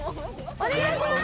お願いします